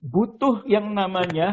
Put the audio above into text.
butuh yang namanya